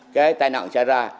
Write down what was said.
cái tai nạn xảy ra